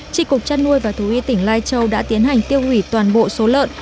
trị cục chăn nuôi và thú y tỉnh lai châu đã tiến hành tiêu hủy toàn bộ số lợn